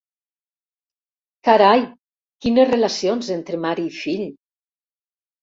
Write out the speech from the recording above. Carai, quines relacions entre mare i fill!